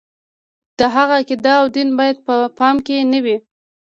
د هغه عقیده او دین باید په پام کې نه وي.